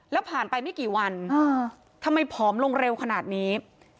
แล้วผ่านไปไม่กี่วันทำไมผอมลงเร็วขนาดนี้